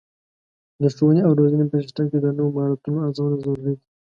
د ښوونې او روزنې په سیستم کې د نوو مهارتونو ارزونه ضروري ده.